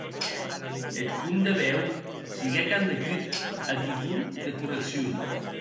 Eth comde Beug siguec admetut a titol de correccion.